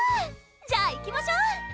じゃあいきましょう！